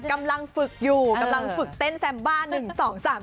กำลังฝึกอยู่กำลังฝึกเต้นแซมบ้า๑๒๓